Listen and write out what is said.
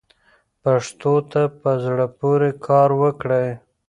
پښتو ته په زړه پورې کار وکړئ.